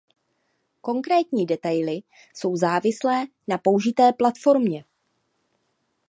Konkrétní detaily jsou závislé na použité platformě.